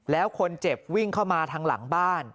แล้วคนเจ็บวิ่งเข้ามาทางหลังบ้าน